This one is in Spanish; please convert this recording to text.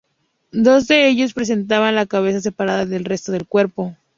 Dos de ellos presentaban la cabeza separada del resto del cuerpo.